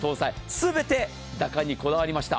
全て打感にこだわりました。